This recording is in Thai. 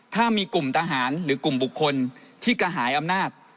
ถ้ามีกลุ่มทหารหรือกลุ่มบุคคลที่กระหายอำนาจ